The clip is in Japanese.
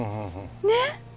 ねっ？